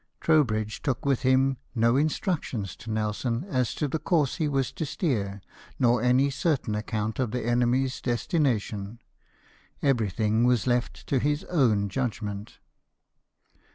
Trowbridge took with hnn no instructions to Nelson as to the course he was to steer, nor any certain account of the enemy's des tination ; everything was left to his own judgment.